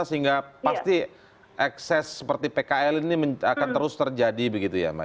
sehingga pasti ekses seperti pkl ini akan terus terjadi begitu ya mbak